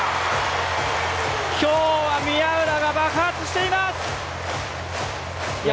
今日は宮浦が爆発しています！